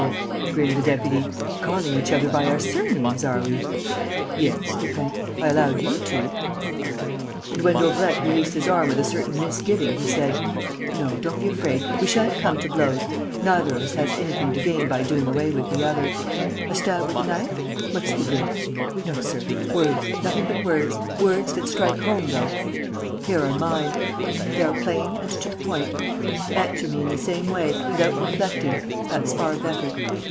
grinned the deputy. "Calling each other by our surnames, are we?" "Yes," said Lupin, "I allowed you to." And, when Daubrecq released his arm with a certain misgiving, he said, "No, don't be afraid. We sha'n't come to blows. Neither of us has anything to gain by doing away with the other. A stab with a knife? What's the good? No, sir! Words, nothing but words. Words that strike home, though. Here are mine: they are plain and to the point. Answer me in the same way, without reflecting: that's far better.